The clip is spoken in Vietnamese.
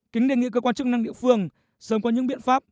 kính đề nghị cơ quan chức năng địa phương sớm có những biện pháp